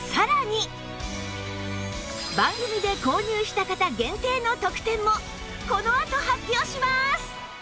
番組で購入した方限定の特典もこのあと発表します！